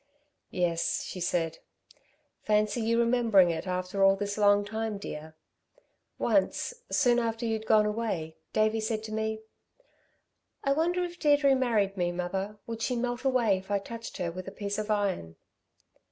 "Yes," she said, "fancy you remembering it after all this long time, dear. Once, soon after you'd gone away, Davey said to me, 'I wonder if Deirdre married me, mother, would she melt away if I touched her with a piece of iron.'